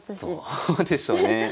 どうでしょうね？